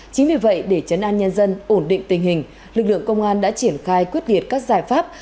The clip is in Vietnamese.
chính vì vậy để chấn an nhân dân ổn định tình hình lực lượng công an đã triển khai quyết liệt các giải pháp